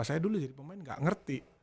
saya dulu jadi pemain nggak ngerti